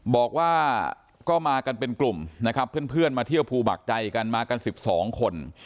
บอกว่าก็มากันเป็นกลุ่มนะครับเพื่อนมาเที่ยวภูบักใจกันมากัน๑๒คน